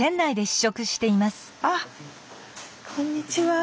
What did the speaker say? あっこんにちは。